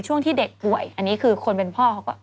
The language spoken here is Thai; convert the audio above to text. ช่วงที่เด็กป่วยอันนี้คือคนเป็นพ่อเขาก็